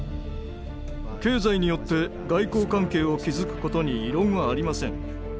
経済によって外交関係を築くことに異論はありません。